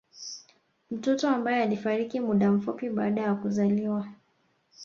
Mtoto ambae alifariki muda mfupi baada ya kuzaliwa